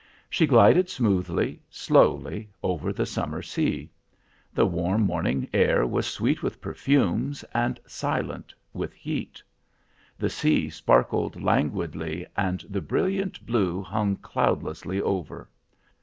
She glided smoothly, slowly, over the summer sea. The warm morning air was sweet with perfumes, and silent with heat. The sea sparkled languidly, and the brilliant blue hung cloudlessly over.